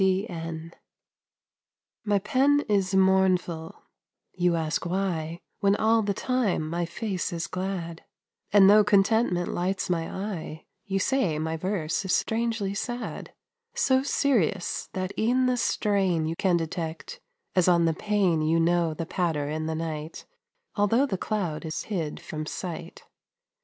D. N. My pen is mournful you ask why When all the time my face is glad, And though contentment lights my eye, You say my verse is strangely sad; So serious that e'en the strain You can detect, as on the pane You know the patter in the night, Although the cloud is hid from sight.